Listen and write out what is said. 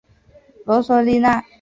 罗索利纳。